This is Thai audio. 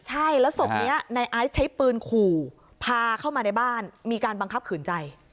ใช่แล้วศพนี้ในไอซ์ใช้ปืนขู่พาเข้ามาในบ้านมีการบังคับขืนใจ